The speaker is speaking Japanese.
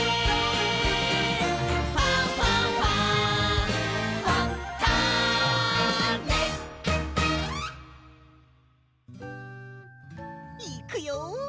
「ファンファンファン」いくよ